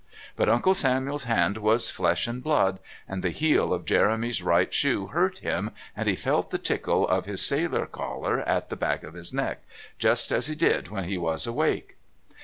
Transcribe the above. But Uncle Samuel's hand was flesh and blood, and the heel of Jeremy's right shoe hurt him and he felt the tickle of his sailor collar at the back of his neck, just as he did when he was awake.